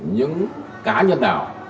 những cá nhân nào